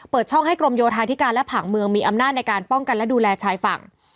ช่องให้กรมโยธาธิการและผังเมืองมีอำนาจในการป้องกันและดูแลชายฝั่ง